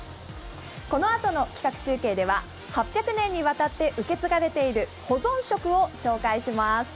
このあとの企画中継では、８００年にわたって受け継がれている保存食を紹介します。